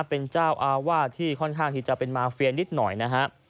เป็นเจ้าอาวาสที่ค่อนข้างที่จะเป็นมาเฟียนิดหน่อยนะฮะ